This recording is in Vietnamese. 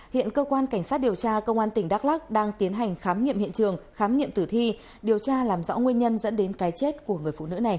hẹn gặp lại các bạn trong những video tiếp theo